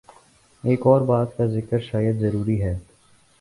ایک اور بات کا ذکر شاید ضروری ہے۔